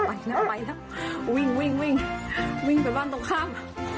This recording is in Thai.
ไปแล้วไปแล้ววิ่งวิ่งวิ่งวิ่งวิ่งไปบ้านตรงข้าม